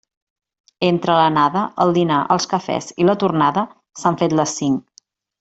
Entre l'anada, el dinar, els cafès i la tornada s'han fet les cinc.